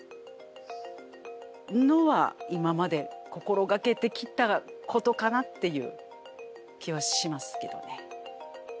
のは今まで心がけてきたことかなっていう気はしますけどね。